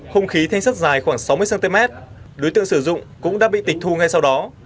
không khí thanh sắt dài khoảng sáu mươi cm đối tượng sử dụng cũng đã bị tịch thu ngay sau đó